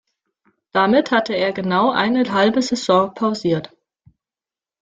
Damit hatte er genau eine halbe Saison pausiert.